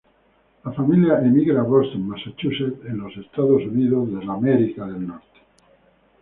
La familia emigra a Boston, Massachusetts en los Estados Unidos.